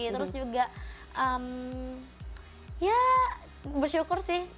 terus juga ya bersyukur sih